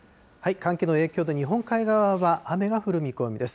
寒気の影響で日本海側は雨が降る見込みです。